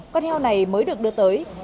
con heo này mới được đưa tới